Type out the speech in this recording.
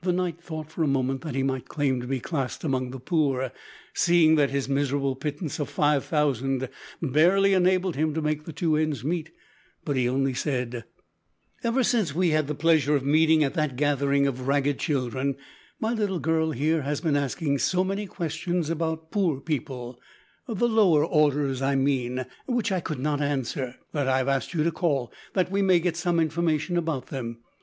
The knight thought for a moment that he might claim to be classed among the poor, seeing that his miserable pittance of five thousand barely enabled him to make the two ends meet, but he only said: "Ever since we had the pleasure of meeting at that gathering of ragged children, my little girl here has been asking so many questions about poor people the lower orders, I mean which I could not answer, that I have asked you to call, that we may get some information about them.